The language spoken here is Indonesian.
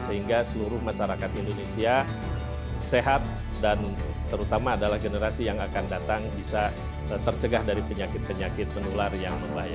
sehingga seluruh masyarakat indonesia sehat dan terutama adalah generasi yang akan datang bisa tercegah dari penyakit penyakit menular yang membahayakan